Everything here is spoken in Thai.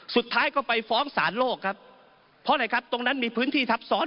สุดท้ายก็ไปฟ้องสารโลกครับเพราะอะไรครับตรงนั้นมีพื้นที่ทับซ้อน